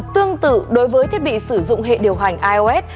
tương tự đối với thiết bị sử dụng hệ điều hành ios